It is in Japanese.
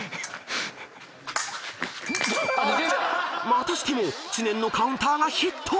［またしても知念のカウンターがヒット］